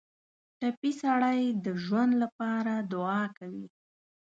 ټپي سړی د ژوند لپاره دعا کوي.